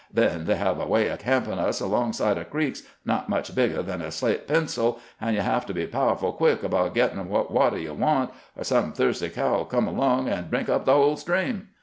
Then they have a way of campin' us alongside o' creeks not much biggah than a slate pencil ; and you have to be powerful quick about gittin' what watah you want, or some thirsty cow 'U come along and drink up the whole stream.